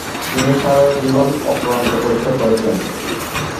তিনি সারাজীবন অক্লান্ত পরিশ্রম করেছেন।